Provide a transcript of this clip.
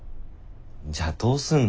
じゃあどうすんの？